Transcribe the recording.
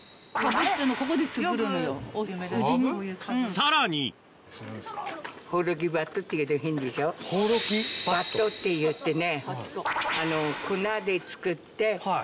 さらにばっとっていってね。